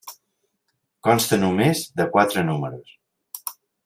Consta només de quatre números.